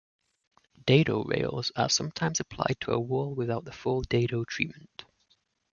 Dado rails are also sometimes applied to a wall without the full dado treatment.